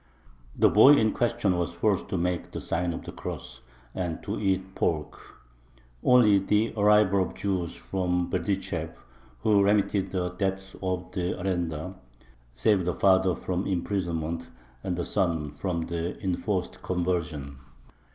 The boy in question was forced to make the sign of the cross and to eat pork. Only the arrival of Jews from Berdychev, who remitted the debt of the arendar, saved the father from imprisonment and the son from enforced conversion.